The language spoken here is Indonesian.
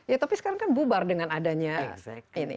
ya tapi sekarang kan bubar dengan adanya ini